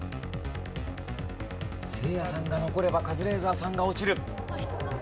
せいやさんが残ればカズレーザーさんが落ちる。